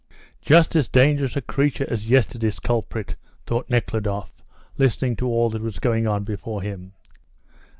"Just as dangerous a creature as yesterday's culprit," thought Nekhludoff, listening to all that was going on before him.